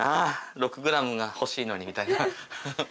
６グラムが欲しいのに」みたいな。